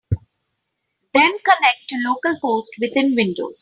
Then connect to localhost within Windows.